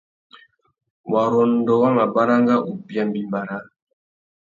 Warrôndô wá mà baranga ubia mbîmbà râā.